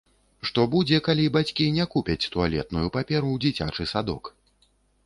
Што будзе, калі бацькі не купяць туалетную паперу ў дзіцячы садок?